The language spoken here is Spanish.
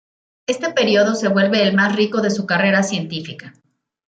Este período se vuelve el más rico de su carrera científica.